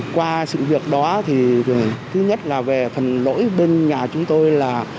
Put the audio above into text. qua sự việc đó thì thứ nhất là về phần lỗi bên nhà chúng tôi là